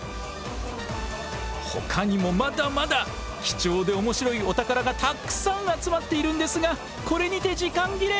ほかにもまだまだ貴重でおもしろいお宝がたくさん集まっているんですがこれにて時間切れ！